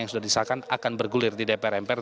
yang sudah disahkan akan bergulir di dpr mpr